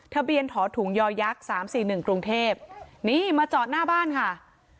ทะเบียนถอดถุงยอยักษ์สามสี่หนึ่งกรุงเทพนี่มาจอดหน้าบ้านค่ะ